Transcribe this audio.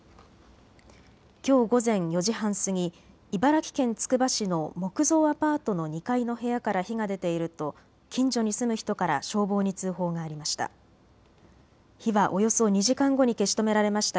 きょう午前４時半過ぎ、茨城県つくば市の木造アパートの２階の部屋から火が出ていると近所に住む人から消防に通報がありました。